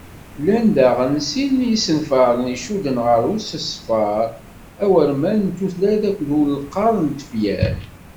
Llan daɣen sin n yisenfaren i icudden ɣer usesfer awurman n tutlayt akked ulqaḍ n tefyar;